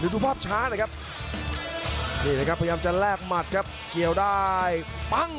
ดูภาพช้านะครับนี่นะครับพยายามจะแลกหมัดครับเกี่ยวได้ปั้ง